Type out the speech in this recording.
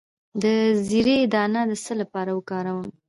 د زیرې دانه د څه لپاره وکاروم؟